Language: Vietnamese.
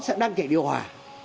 máu sẽ đang chạy điều hòa